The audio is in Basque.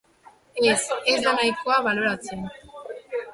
Ez, ez da nahikoa baloratzen.